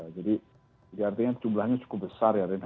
jadi artinya jumlahnya cukup besar ya